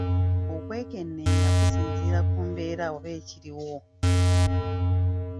Okwekeneenya kusinziira ku mbeera oba ekiriwo.